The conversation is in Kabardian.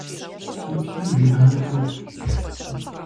Си псэм жиӀарэ пэт…